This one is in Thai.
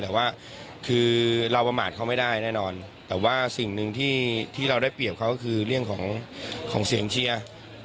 แต่ว่าคือเราประมาทเขาไม่ได้แน่นอนแต่ว่าสิ่งหนึ่งที่เราได้เปรียบเขาก็คือเรื่องของเสียงเชียร์